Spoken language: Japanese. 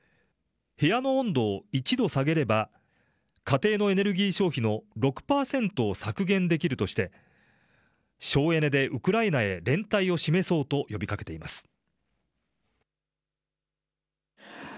部屋の温度を１度下げれば家庭のエネルギー消費の６％を削減できるとして省エネでウクライナへ連帯を示そうと呼びかけています。